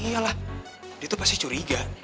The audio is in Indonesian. iyalah dia tuh pasti curiga